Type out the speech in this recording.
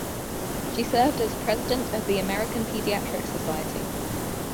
She served as president of the American Pediatric Society.